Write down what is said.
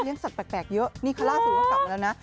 สัตวแปลกเยอะนี่คือล่าสุดก็กลับมาแล้วนะ